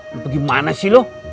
lu gimana sih lu